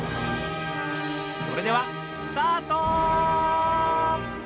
それでは、スタート！